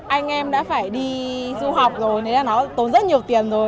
anh em đã phải đi du học rồi nên là nó tốn rất nhiều tiền rồi